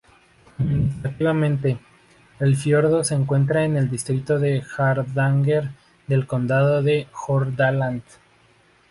Administrativamente, el fiordo se encuentra en el distrito de Hardanger del condado de Hordaland.